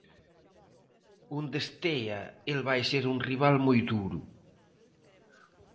Onde estea el vai ser un rival moi duro.